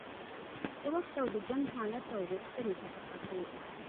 د وخت او د جنګ حالت او غوښتنې ته په کتو.